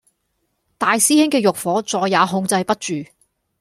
大師兄嘅慾火再也控制不住